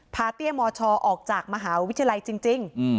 เตี้ยมชออกจากมหาวิทยาลัยจริง